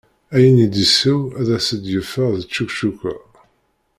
Ayen i d-iseww ad as-d-yeffeɣ d ččekčuka.